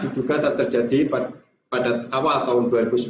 diduga terjadi pada awal tahun dua ribu sembilan belas